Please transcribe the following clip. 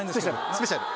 スペシャル。